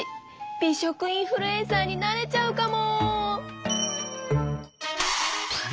「美食インフルエンサー」になれちゃうかも！